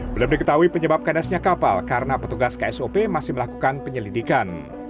belum diketahui penyebab kandasnya kapal karena petugas ksop masih melakukan penyelidikan